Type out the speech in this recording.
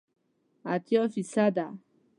اتیا فیصده